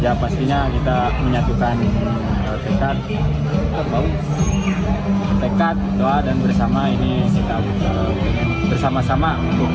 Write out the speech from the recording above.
ya pastinya kita menyatukan tekad tekad doa dan bersama ini bersama sama